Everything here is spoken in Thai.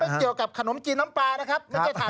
ไม่เกี่ยวกับขนมจีนน้ำปลานะครับ